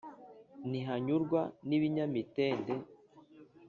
Ntihanyurwa n'ibinyabitende